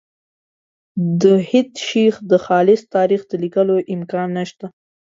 د هېڅ شي د خالص تاریخ د لیکلو امکان نشته.